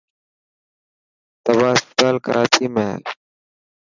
تباهه اسپتال ڪراچي ۾ هي.